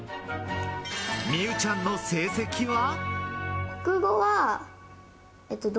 美羽ちゃんの成績は。